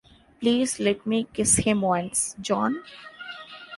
Please let me kiss him once, John?